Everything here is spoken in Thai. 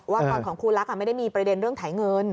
ว่าก่อนของคู่ลักษมนต์ไม่ได้การประเด็นเรื่องถ่ายเงิน